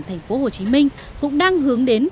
tp hcm cũng đang hướng đến